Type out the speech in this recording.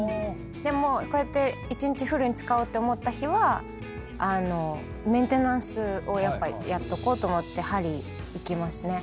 でもこうやって１日フルに使おうって思った日はメンテナンスをやっぱやっとこうと思って鍼行きますね。